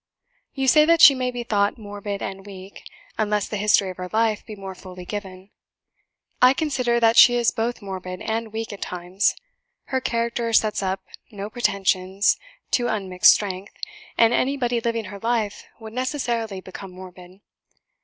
"You say that she may be thought morbid and weak, unless the history of her life be more fully given. I consider that she is both morbid and weak at times; her character sets up no pretensions to unmixed strength, and anybody living her life would necessarily become morbid.